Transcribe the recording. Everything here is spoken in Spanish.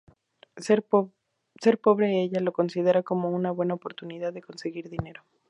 Ser pobre ella lo considera como una buena oportunidad de conseguir dinero.